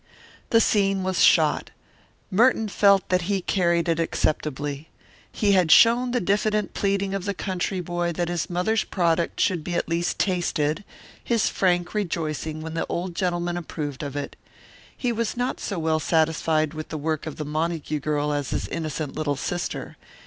The scene was shot. Merton felt that he carried it acceptably. He had shown the diffident pleading of the country boy that his mother's product should be at least tasted, his frank rejoicing when the old gentleman approved of it. He was not so well satisfied with the work of the Montague girl as his innocent little sister.